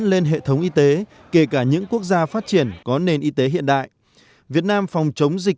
lên hệ thống y tế kể cả những quốc gia phát triển có nền y tế hiện đại việt nam phòng chống dịch